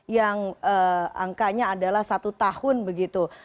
yang angkanya adalah satu tahun begitu